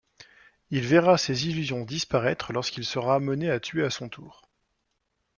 Il verra ses illusions disparaître lorsqu'il sera amené à tuer à son tour.